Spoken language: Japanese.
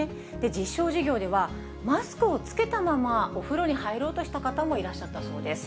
実証事業では、マスクを着けたまま、お風呂に入ろうとした方もいらっしゃったそうです。